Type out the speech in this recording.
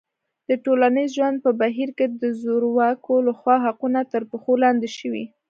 د ټولنیز ژوند په بهیر کې د زورواکو لخوا حقونه تر پښو لاندې شوي.